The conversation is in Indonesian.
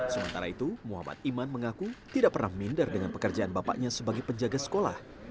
sementara itu muhammad iman mengaku tidak pernah minder dengan pekerjaan bapaknya sebagai penjaga sekolah